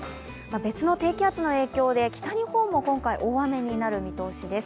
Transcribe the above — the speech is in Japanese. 別の低気圧の影響で北日本も今回、大雨になる見通しです。